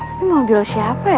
ini mobil siapa ya